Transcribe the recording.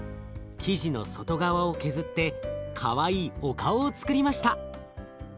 生地の外側を削ってかわいいお顔をつくりました。